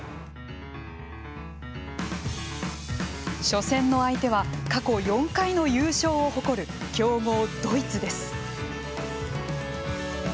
初戦の相手は過去４回の優勝を誇る強豪ドイツです。